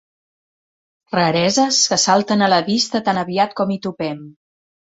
Rareses que salten a la vista tan aviat com hi topem.